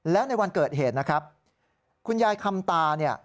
แล้วในวันเกิดเหตุนะครับคุณยายคำตาเนี่ย